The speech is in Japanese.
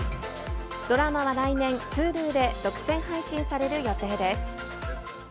ドラマは来年、Ｈｕｌｕで独占配信される予定です。